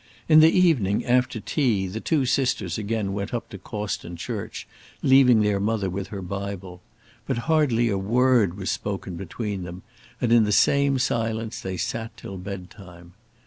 In the evening, after tea, the two sisters again went up to Cawston church, leaving their mother with her Bible; but hardly a word was spoken between them, and in the same silence they sat till bed time.